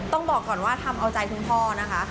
ต้องบอกก่อนว่าทำเอาใจคุณพ่อนะคะ